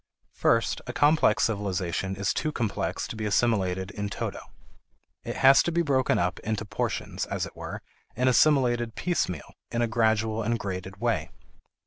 First, a complex civilization is too complex to be assimilated in toto. It has to be broken up into portions, as it were, and assimilated piecemeal, in a gradual and graded way.